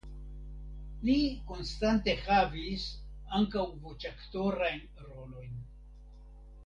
Li konstante havis ankaŭ voĉaktorajn rolojn.